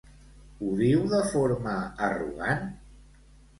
Ho diu de forma arrogant?